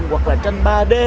hoặc là tranh ba d